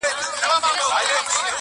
لوى قاضي به گيند را خوشي پر ميدان كړ؛